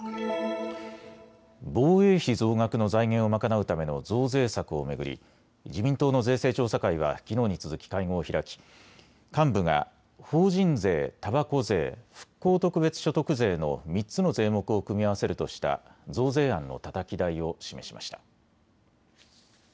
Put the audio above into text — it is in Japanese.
防衛費増額の財源を賄うための増税策を巡り、自民党の税制調査会はきのうに続き会合を開き、幹部が法人税、たばこ税、復興特別所得税の３つの税目を組み合わせるとした増税案のたたき台を示しました。